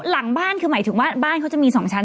หลังบ้านคือหมายถึงว่าบ้านเขาจะมี๒ชั้น